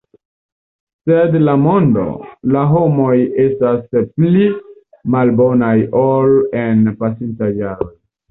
Sed la mondo, la homoj estas pli malbonaj ol en pasintaj jaroj.